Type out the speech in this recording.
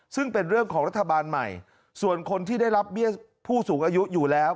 ซึ่งเป็นเรื่องของรัฐบาลใหม่ส่วนคนที่ได้รับเบี้ยผู้สูงอายุอยู่แล้ว